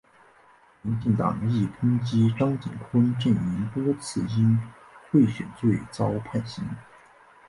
民进党亦抨击张锦昆阵营多次因贿选罪遭判刑。